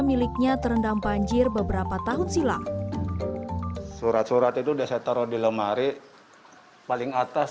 miliknya terendam banjir beberapa tahun silam surat surat itu udah saya taruh di lemari paling atas